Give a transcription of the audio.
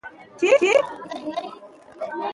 ښه سواد د هیواد د پرمختګ لاره ده.